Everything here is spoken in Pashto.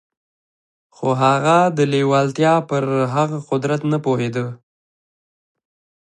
خو هغه د لېوالتیا پر هغه قدرت نه پوهېده.